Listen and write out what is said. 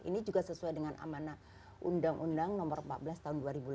ini juga sesuai dengan amanah undang undang no empat belas tahun dua ribu delapan